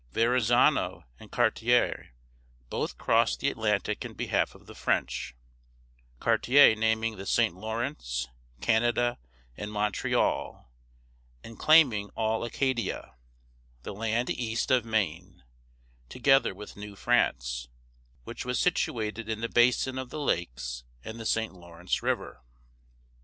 Verrazano and Cartier both crossed the Atlantic in behalf of the French, Cartier naming the St. Lawrence, Canada, and Montreal, and claiming all Acadia (the land east of Maine), together with New France, which was situated in the basin of the Lakes and the St. Lawrence River.